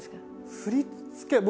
振り付け僕